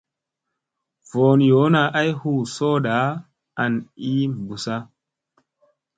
Voon yoona ay hu sooɗa an i bussa.